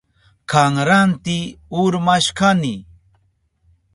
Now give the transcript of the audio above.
Kanranti urmashkani.